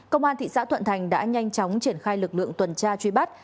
công an thị xã thuận thành đã nhanh chóng triển khai lực lượng tuần tra truy bắt